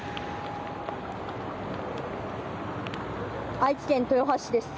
愛知県豊橋市です。